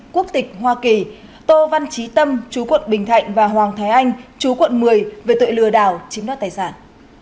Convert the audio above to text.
quốc tịch hoa kỳ tô văn trí tâm chú quận bình thạnh và hoàng thái anh chú quận một mươi về tội lừa đảo chiếm đoạt tài sản